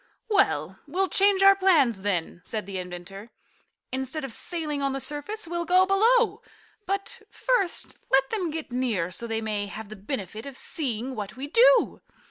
"Well, we'll change our plans, then," said the inventor. "Instead of sailing on the surface we'll go below. But first let them get near so they may have the benefit of seeing what we do.